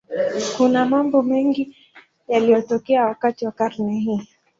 Kuna mambo mengi yaliyotokea wakati wa karne hii.